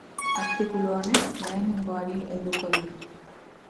Artikulu honek lehenengoari helduko dio.